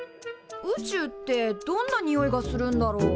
宇宙ってどんなにおいがするんだろう？